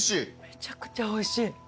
めちゃくちゃおいしい。